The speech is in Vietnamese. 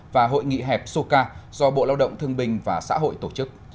và hội nghị hẹp soca do bộ lao động thương bình và xã hội tổ chức